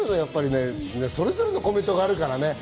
それぞれのコメントがあるからね。